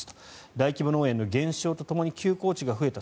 大規模農園の減少とともに休耕地が増えた。